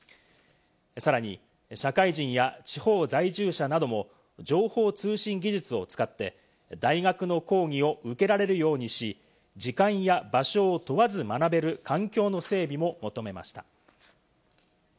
さらに社会人や地方在住者なども情報通信技術を使って大学の講義を受けられるようにし、時間や場所を問わず学べる環境の整備も求めました。